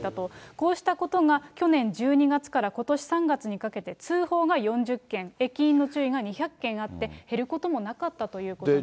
こうしたことが去年１２月からことし３月にかけて通報が４０件、駅員の注意が２００件あって、減ることもなかったということなんです。